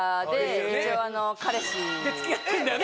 でつきあってんだよね